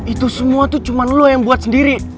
itu semua tuh cuma lo yang buat sendiri